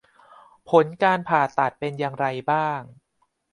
ผลการผ่าตัดเป็นอย่างไรบ้าง